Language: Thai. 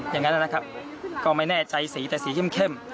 อย่างนั้นนะครับก็ไม่แน่ใจสีแต่สีเข้ม